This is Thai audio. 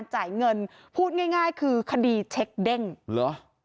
เหรอ